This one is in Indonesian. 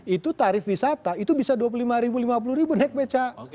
itu tarif wisata itu bisa dua puluh lima ribu lima puluh ribu naik becak